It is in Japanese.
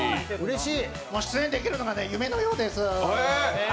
出演できるのが夢のようです。